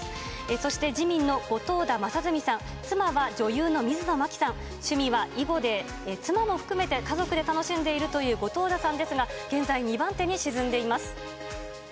そして自民の後藤田正純さん、妻は女優の水野真紀さん、趣味は囲碁で、妻も含めて家族で楽しんでいるという後藤田さんですが、現在、２番手に沈んでいます。